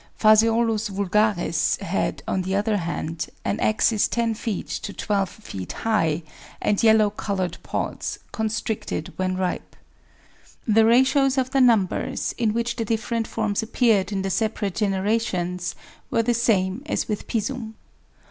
Ph. vulgaris had, on the other hand, an axis 10 feet to 12 feet high, "and yellow coloured pods, constricted when ripe. The ratios of the numbers in which the different forms appeared in the separate generations were the same as with Pisum.